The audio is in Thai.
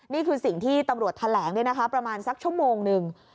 นี่คือสิ่งที่ตำรวจแถลงประมาณสักชั่วโมงหนึ่ง